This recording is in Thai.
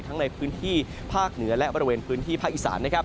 ทั้งในพื้นที่ภาคเหนือและบริเวณพื้นที่ภาคอิศรรณ์